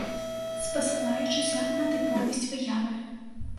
Спасылаючыся на тыповасць выявы.